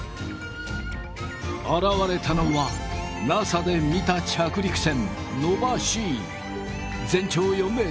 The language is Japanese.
現れたのはＮＡＳＡで見た本物です！